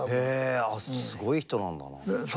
へえすごい人なんだな。